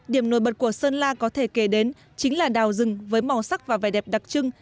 điểm nổi bật của sơn la có thể kể đến chính là đào rừng với màu sắc và vẻ đẹp đặc trưng